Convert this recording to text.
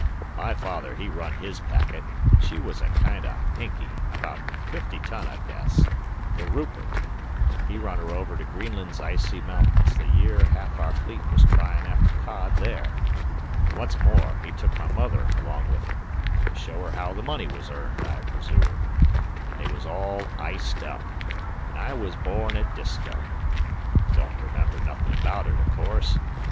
"My father he run his packet, an' she was a kind o' pinkey, abaout fifty ton, I guess, the Rupert, he run her over to Greenland's icy mountains the year ha'af our fleet was tryin' after cod there. An' what's more, he took my mother along with him, to show her haow the money was earned, I presoom, an' they was all iced up, an' I was born at Disko. Don't remember nothin' abaout it, o' course.